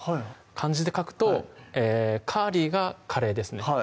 漢字で書くとがカレーですね